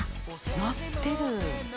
「なってる」